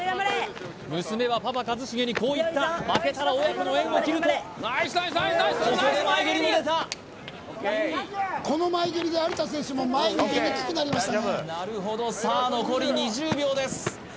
娘はパパ一茂にこう言った負けたら親子の縁を切るとここで前蹴りも出たこの前蹴りで有田選手も前に出にくくなりましたねなるほどさあ残り２０秒です